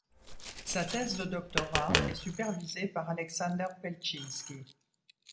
Sa thèse de doctorat est supervisée par Aleksander Pelczynski.